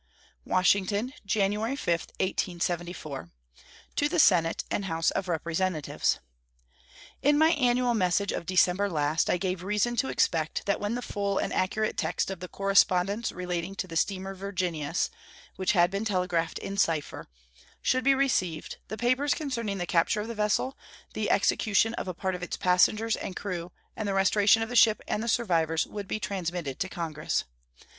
WASHINGTON, January 5, 1874. To the Senate and House of Representatives: In my annual message of December last I gave reason to expect that when the full and accurate text of the correspondence relating to the steamer Virginius, which had been telegraphed in cipher, should be received the papers concerning the capture of the vessel, the execution of a part of its passengers and crew, and the restoration of the ship and the survivors would be transmitted to Congress.